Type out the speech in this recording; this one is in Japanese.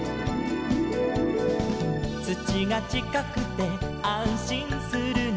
「土がちかくてあんしんするの」